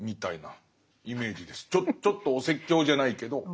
ちょっとお説教じゃないけど。